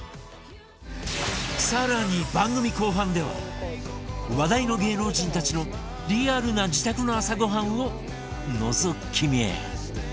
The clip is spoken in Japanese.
更に番組後半では話題の芸能人たちのリアルな自宅の朝ごはんをのぞき見